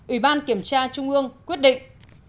ủy ban kiểm tra trung ương quyết định